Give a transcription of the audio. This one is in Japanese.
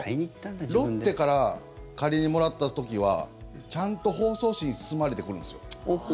ロッテから、仮にもらった時はちゃんと包装紙に包まれてくるんですよ。